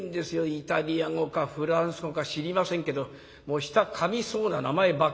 イタリア語かフランス語か知りませんけど舌かみそうな名前ばっかり。